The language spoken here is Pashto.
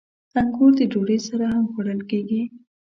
• انګور د ډوډۍ سره هم خوړل کېږي.